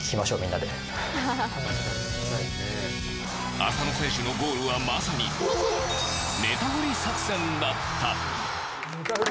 浅野選手のゴールはまさに寝たふり作戦だった。